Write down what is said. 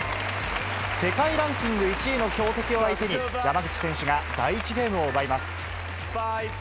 世界ランキング１位の強敵を相手に、山口選手が第１ゲームを奪います。